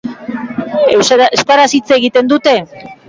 Euskaraz hitz egiten dute?